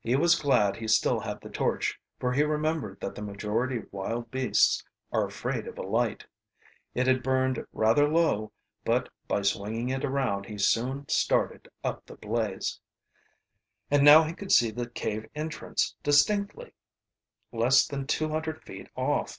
He was glad he still had the torch, for he remembered that the majority of wild beasts are afraid of a light. It had burned rather low, but by swinging it around he soon started up the blaze. And now he could see the cave entrance distinctly, less than two hundred feet off.